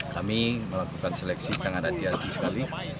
kami melakukan seleksi sangat hati hati sekali